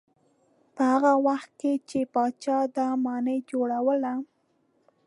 په هغه وخت کې چې پاچا دا ماڼۍ جوړوله.